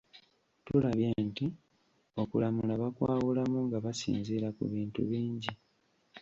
Tulabye nti, okulamula bakwawulamu nga basinziira ku bintu bingi.